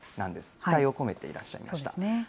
期待を込めていらっしゃいました。